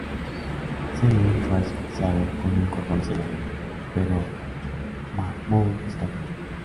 Selim fue asfixiado con un cordón de seda, pero Mahmud escapó.